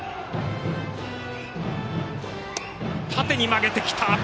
縦に曲げてきた。